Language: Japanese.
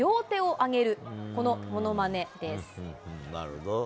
なるほど。